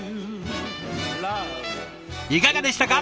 いかがでしたか？